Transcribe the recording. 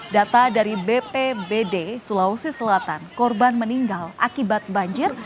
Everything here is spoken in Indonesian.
data dari bpbd sulawesi selatan korban meninggal akibat banjir